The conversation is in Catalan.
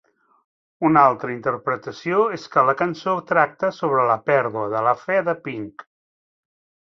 Un altra interpretació és que la cançó tracta sobre la pèrdua de la fe de "Pink".